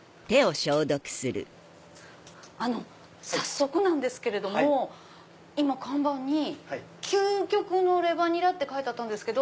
早速なんですけれども看板に究極のレバにらって書いてあったんですけど。